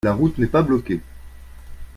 La route n'est pas bloquée.